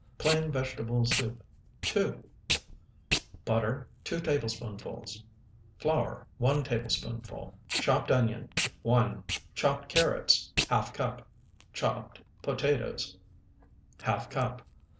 PLAIN VEGETABLE SOUP (2) Butter, 2 tablespoonfuls. Flour, 1 tablespoonful. Chopped onion, 1. Chopped carrots, ½ cup. Chopped potatoes, ½ cup.